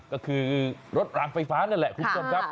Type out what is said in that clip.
ก็คือรถรางไฟฟ้านั่นแหละคุณผู้ชมครับ